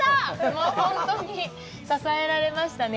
もう本当に支えられましたね。